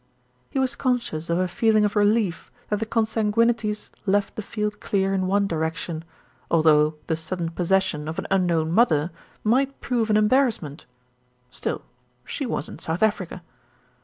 He was conscious of a feeling of relief that the con sanguinities left the field clear in one direction, although the sudden possession of an unknown mother might prove an embarrassment; still she was in South Africa.